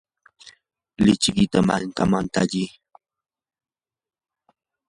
lichikita mankaman tali.